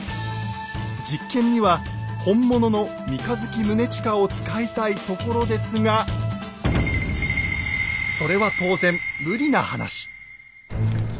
実験には本物の「三日月宗近」を使いたいところですがそれは当然無理な話。